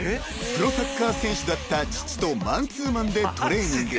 ［プロサッカー選手だった父とマンツーマンでトレーニング］